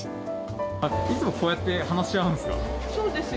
いつもこうやって話し合うんそうですよ。